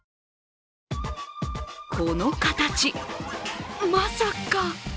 この形、まさか。